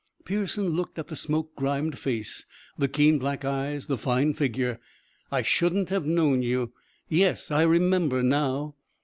Pearson looked at the smoke grimed face, the keen black eyes, the fine figure. "I shouldn't have known you. Yes, I remember now."